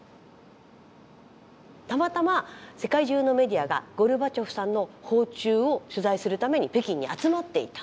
たまたま世界中のメディアがゴルバチョフさんの訪中を取材するために北京に集まっていた。